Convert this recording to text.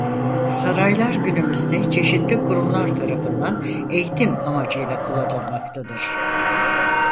Saraylar günümüzde çeşitli kurumlar tarafından eğitim amacıyla kullanılmaktadır.